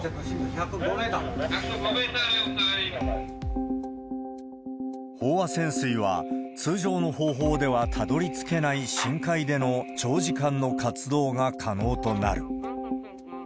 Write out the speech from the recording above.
１０５メーター、飽和潜水は、通常の方法ではたどりつけない深海での長時間の活動が可能となる。